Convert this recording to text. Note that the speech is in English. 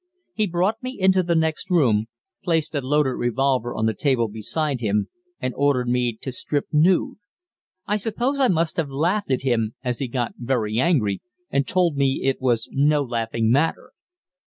He brought me into the next room, placed a loaded revolver on the table beside him, and ordered me to strip nude. I suppose I must have laughed at him, as he got very angry and told me it was no laughing matter.